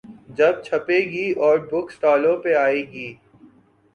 جب چھپے گی اور بک سٹالوں پہ آئے گی۔